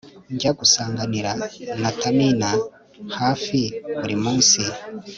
Njya gusangira na Taninna hafi buri munsi